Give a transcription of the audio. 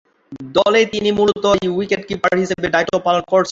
দলে তিনি মূলতঃ উইকেট-কিপার হিসেবে দায়িত্ব পালন করেছেন।